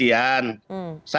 ditangani oleh polisian